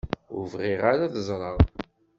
Ur bɣiɣ ara ad ẓreɣ.